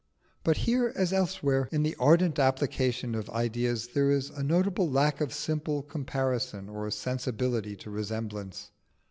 But here as elsewhere, in the ardent application of ideas, there is a notable lack of simple comparison or sensibility to resemblance.